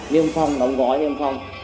niêm phong đóng gói niêm phong